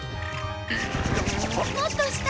もっとした。